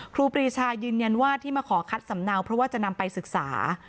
ครูปรีชายืนยันว่าที่มาขอคัดสำเนาเพราะว่าจะนำไปศึกษา